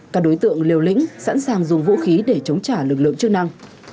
các đối tượng liều lĩnh sẵn sàng dùng vũ khí để chống trả lực lượng chức năng